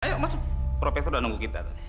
ayo mas profesor udah nunggu kita